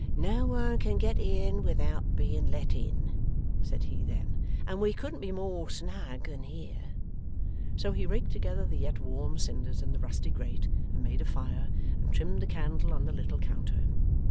'No one can get in without being let in,' said he then, 'and we couldn't be more snug than here.' So he raked together the yet warm cinders in the rusty grate, and made a fire, and trimmed the candle on the little counter.